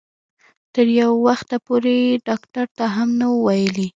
تر یو وخته پورې یې ډاکټر ته هم نه وو ویلي.